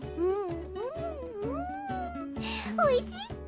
おいしっ！